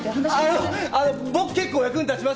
ああ僕結構役に立ちますよ。